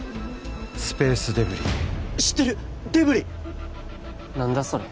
スペースデブリ知ってるデブリ何だそれ？